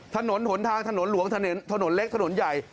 ถนนหนทางถนนหลวงถนนเล็กถนนใหญ่